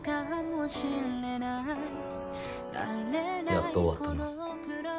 やっと終わったな。